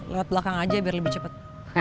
lewat belakang aja biar lebih cepat